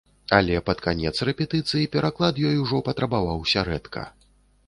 Але пад канец рэпетыцый пераклад ёй ужо патрабаваўся рэдка.